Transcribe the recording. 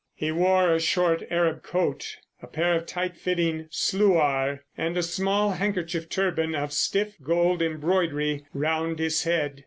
He wore a short Arab coat, a pair of tight fitting "sluar," and a small handkerchief turban of stiff gold embroidery round his head.